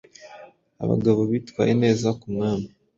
Abagabo bitwaye neza ku mwami